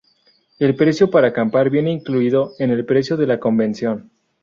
El precio por acampar viene incluido en el precio de la convención.